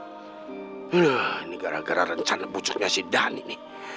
aduh ini gara gara rencana bujuknya si dhani nih